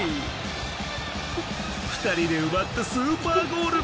２人で奪ったスーパーゴール。